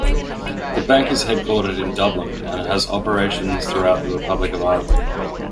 The bank is headquartered in Dublin, and has operations throughout the Republic of Ireland.